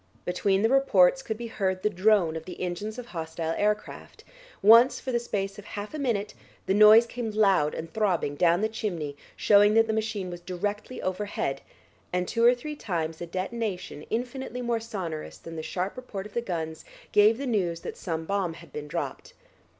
Between the reports could be heard the drone of the engines of hostile aircraft; once for the space of half a minute the noise came loud and throbbing down the chimney, showing that the machine was directly overhead, and two or three times a detonation infinitely more sonorous than the sharp report of the guns gave the news that some bomb had been dropped.